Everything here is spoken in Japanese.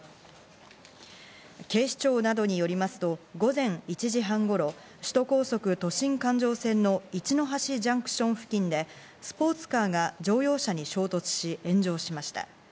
警視庁などによりますと、午前１時半頃、首都高速都心環状線の一ノ橋ジャンクション付近で、スポーツカーが乗用車に衝突し炎上しました。